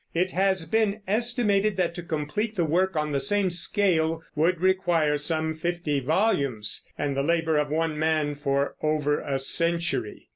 It has been estimated that to complete the work on the same scale would require some fifty volumes and the labor of one man for over a century.